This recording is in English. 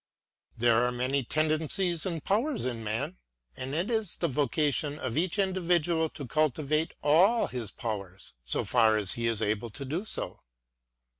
There are many tendencies and powers in man, and it is the vocation of each individual to cultivate all his powers, so far as he is able to do so.